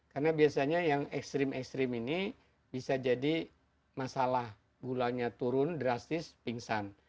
karena biasanya yang ekstrim ekstrim ini bisa jadi masalah gulanya turun drastis pingsan